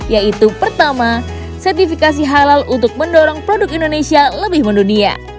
yaitu pertama sertifikasi halal untuk mendorong produk indonesia lebih mendunia